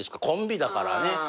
コンビだからね。